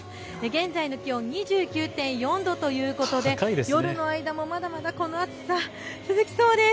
現在の気温、２９．４度ということで夜の間もまだまだこの暑さ続きそうです。